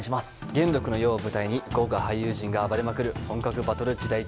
元禄の世を舞台に豪華俳優陣が暴れまくる本格バトル時代劇です。